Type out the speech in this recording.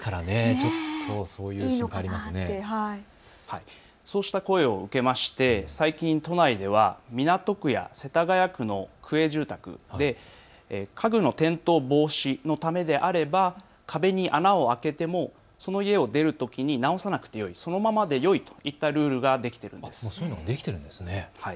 そうした声を受けて最近、都内では港区や世田谷区の区営住宅で家具の転倒防止のためであれば壁に穴を開けてもその家を出るときに直さなくてよい、そのままでよいといったルールができているんです。